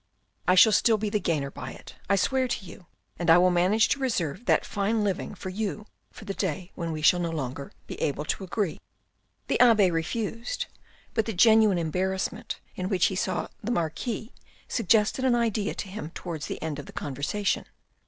I shall still be the gainer by it, I swear to you, and I will manage to reserve that fine living for you for the day when we shall no longer be able to agree." The abbe refused, but the genuine embarrassment in which he saw the Marquis suggested an idea to him towards the end of the conversation.